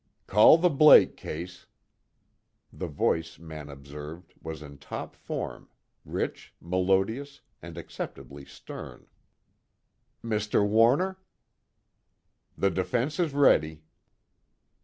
"Call the Blake case!" The voice, Mann observed, was in top form, rich, melodious, and acceptably stern. "Mr. Warner?" "The defense is ready."